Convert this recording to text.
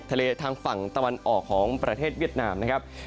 ทางฝั่งตะวันออกของประเทศเวียดนามนะครับ